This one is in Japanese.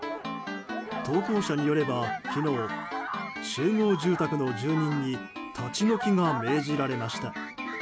投稿者によれば昨日集合住宅の住人に立ち退きが命じられました。